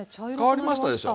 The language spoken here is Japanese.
変わりましたでしょ。